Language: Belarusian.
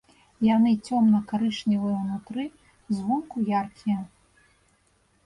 Яны цёмна-карычневыя ўнутры, звонку яркія.